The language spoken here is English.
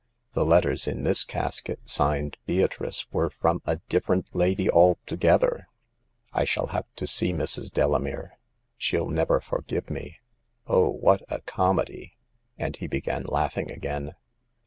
The letters in this casket signed Beatrice " were from a different lady altogether. I shall have to see Mrs. Delamere. Shell never forgive me. Oh, what a comedy !" and he began laughing again.